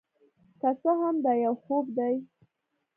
که څه هم دا یو خوب دی،